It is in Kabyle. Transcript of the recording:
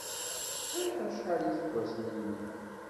Ẓriɣ acḥal iseggasen-nnek.